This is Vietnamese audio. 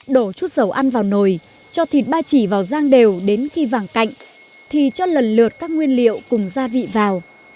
đổ chút dầu ăn vào nồi cho thịt ba chỉ vào rang đều đến khi vàng cạnh thì cho lần lượt các nguyên liệu cùng gia vị vào